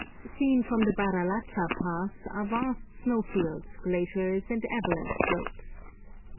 Seen from the Baralacha Pass are vast snowfields, glaciers, and avalanche slopes.